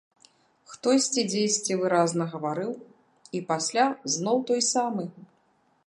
Хтосьці дзесьці выразна гаварыў, і пасля зноў той самы!